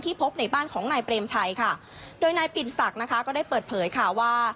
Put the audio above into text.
พบในบ้านของนายเปรมชัยค่ะโดยนายปิ่นศักดิ์นะคะก็ได้เปิดเผยค่ะว่า